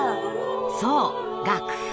そう楽譜。